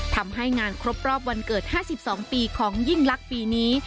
ทำให้งานครบรอบวันเกิด๕๒ปีของยิ่งลักษณ์ปีนี้